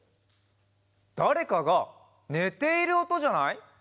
だれかがねているおとじゃない？